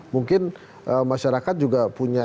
mungkin masyarakat juga punya